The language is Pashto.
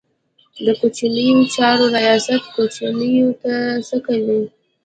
د کوچیانو چارو ریاست کوچیانو ته څه کوي؟